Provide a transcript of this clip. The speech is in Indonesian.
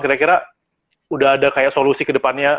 kira kira udah ada kayak solusi ke depannya